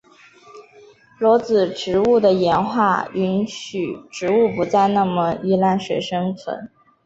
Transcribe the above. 裸子植物的演化允许植物不再那么依赖水生存。